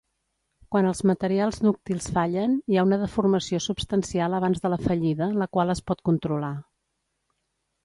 Quan els materials dúctils fallen, hi ha una deformació substancial abans de la fallida, la qual es pot controlar.